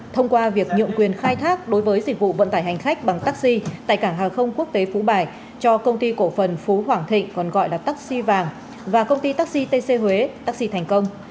thông qua việc nhượng quyền khai thác đối với dịch vụ vận tải hành khách bằng taxi tại cảng hàng không quốc tế phú bài cho công ty cổ phần phú hoàng thịnh còn gọi là taxi vàng và công ty taxi tc huế taxi thành công